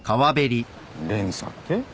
連鎖って？